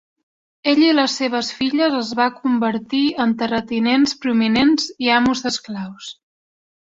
Ell i les seves filles es va convertir en terratinents prominents i amos d'esclaus.